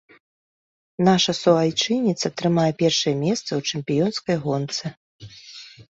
Наша суайчынніца трымае першае месца ў чэмпіёнскай гонцы.